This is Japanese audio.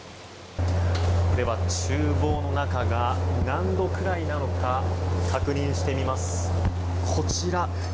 厨房の中が何度くらいなのか確認します。